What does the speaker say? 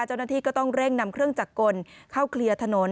เจ้าหน้าที่ก็ต้องเร่งนำเครื่องจักรกลเข้าเคลียร์ถนน